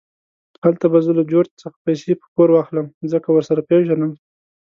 هلته به زه له جورج څخه پیسې په پور واخلم، ځکه ورسره پېژنم.